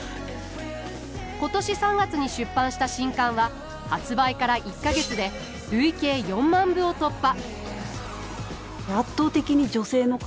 今年３月に出版した新刊は発売から１か月で累計４万部を突破。